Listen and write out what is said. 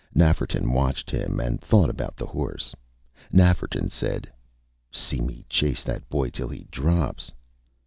Nafferton watched him, and thought about the horse. Nafferton said: "See me chase that boy till he drops!"